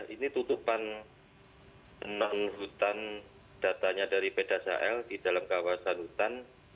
ini tutupan non hutan datanya dari pdasal di dalam kawasan hutan